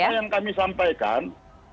apa yang kami sampaikan